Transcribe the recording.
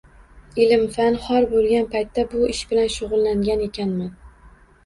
Ilm-fan xor boʻlgan paytda bu ish bilan shugʻullangan ekanman.